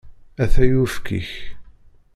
Ata uyefki-k.